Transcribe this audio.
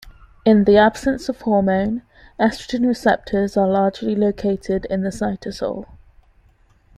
In the absence of hormone, estrogen receptors are largely located in the cytosol.